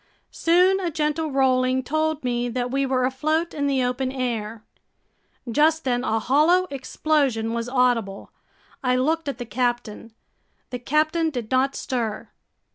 Soon a gentle rolling told me that we were afloat in the open air. Just then a hollow explosion was audible. I looked at the captain. The captain did not stir.